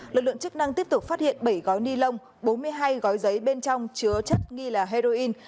lực lượng chức năng tiếp tục phát hiện bảy gói ni lông bốn mươi hai gói giấy bên trong chứa chất nghi là heroin